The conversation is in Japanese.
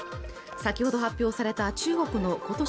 先ほど発表された中国のことし